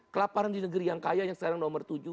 kelaparan di negeri yang kaya yang sekarang nomor tujuh